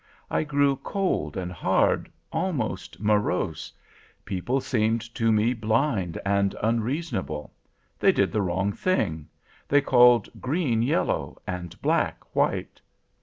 I grew cold and hard, almost morose; people seemed to me blind and unreasonable. They did the wrong thing. They called green, yellow; and black, white.